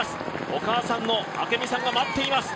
お母さんの明美さんが待っています。